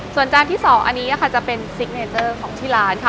ส่วนจานที่๒อันนี้ค่ะจะเป็นซิกเนเจอร์ของที่ร้านค่ะ